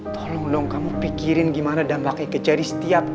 tolong dong kamu pikirin gimana dampaknya ke cherry setiap kamu